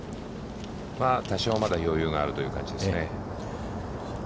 多少まだ余裕があるという感じですね。